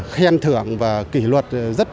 khen thưởng và kỷ luật